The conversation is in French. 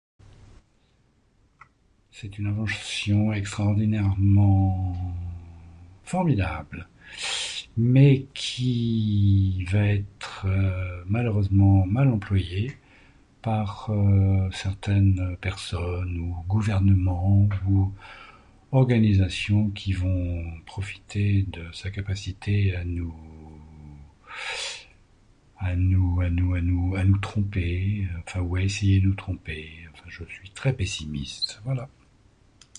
C'est une invention extraordinairement formidable, mais qui va être malheureusement mal employée par, euh, certaines euh personnes, ou gouvernements, ou ou organisations, qui vont profiter de sa capacité à nous, à nous, à nous, à nous, à nous tromper ou essayer de nous tromper. Je suis très pessimiste. Voilà.